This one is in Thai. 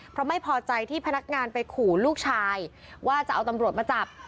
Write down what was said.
เพราะไม่พอใจที่พนักงานไปขู่ลูกชายว่าจะเอาตำรวจมาจับ